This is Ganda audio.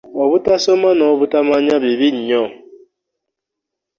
Obutasoma no butamanya bibi nnyo.